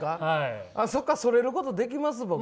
そこからそれることできます？